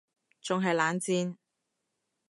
仲係冷戰????？